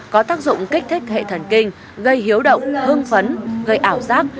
có tác dụng kích thích hệ thần kinh gây hiếu động hưng phấn gây ảo giác